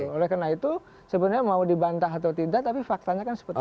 oleh karena itu sebenarnya mau dibantah atau tidak tapi faktanya kan seperti itu